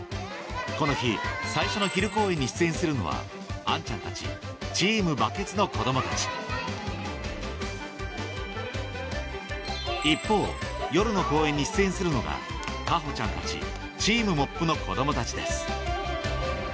この日最初の昼公演に出演するのは杏ちゃんたちチーム・バケツの子供たち一方夜の公演に出演するのが花帆ちゃんたちチーム・モップの子供たちです